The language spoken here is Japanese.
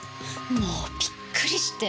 もうびっくりして。